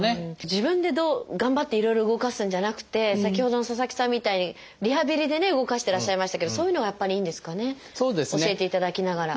自分で頑張っていろいろ動かすんじゃなくて先ほどの佐々木さんみたいにリハビリで動かしてらっしゃいましたけどそういうのがやっぱりいいんですかね教えていただきながら。